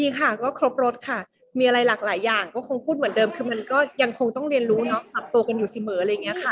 ค่ะก็ครบรถค่ะมีอะไรหลากหลายอย่างก็คงพูดเหมือนเดิมคือมันก็ยังคงต้องเรียนรู้เนาะปรับตัวกันอยู่เสมออะไรอย่างนี้ค่ะ